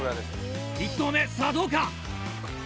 １投目さぁどうか？